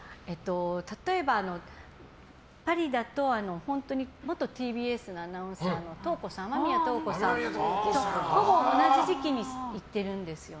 例えば、パリだと元ＴＢＳアナウンサーの雨宮塔子さんとほぼ同じ時期に行ってるんです。